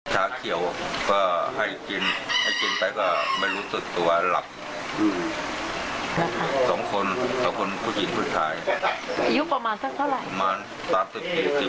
ขาเขียวก็ให้กินให้กินไปก็ไม่รู้สึกตัวหลับสองคนสองคนผู้หญิงผู้ชายอายุประมาณสักเท่าไหร่ประมาณ๓๐๔๐